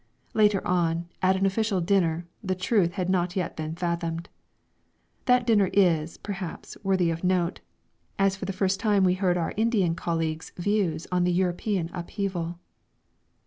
Later on, at an official dinner, the truth had not yet been fathomed. That dinner is, perhaps, worthy of note, as for the first time we heard our Indian colleagues' views on the European upheaval.